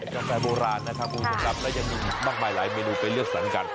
กาแฟโบราณนะครับกูสนับได้ยังมีมากมายหลายเมนูไปเลือกสรรกัน